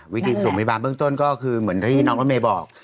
วิธีส่งพยาบาลเบื้องต้นก็คือเหมือนที่น้องรถเมย์บอก